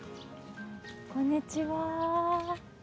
こんにちは。